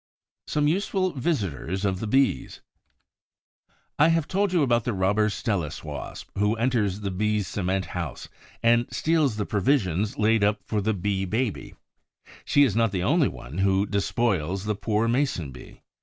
SOME USEFUL VISITORS OF THE BEES I have told you about the robber Stelis wasp who enters the Bee's cement house and steals the provisions laid up for the Bee baby; she is not the only one who despoils the poor Mason bee.